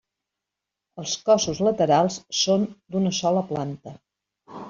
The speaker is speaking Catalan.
Els cossos laterals són d'una sola planta.